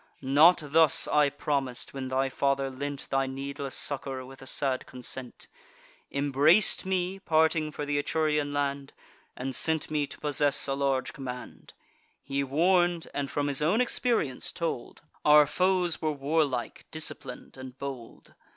Not thus I promis'd, when thy father lent Thy needless succour with a sad consent; Embrac'd me, parting for th' Etrurian land, And sent me to possess a large command. He warn'd, and from his own experience told, Our foes were warlike, disciplin'd, and bold.